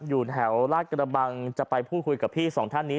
อยู่แถวลาดกระบังจะไปพูดคุยกับพี่สองท่านนี้